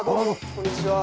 こんにちは。